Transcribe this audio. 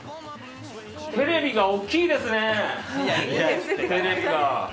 テレビが大きいですね！